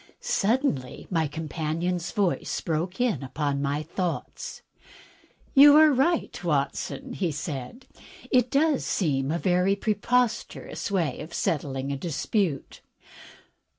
Suddenly my companion's voice broke in upon my thoughts. "You are right, Watson,'* said he. "It does seem a very pre posterous way of settling a dispute."